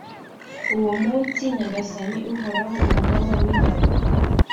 Uwo munsi, Nyagasani Uhoraho, Umugaba w’ingabo,